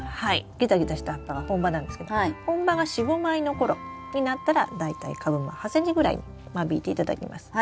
ギザギザした葉っぱが本葉なんですけど本葉が４５枚の頃になったら大体株間８ｃｍぐらいに間引いていただきます。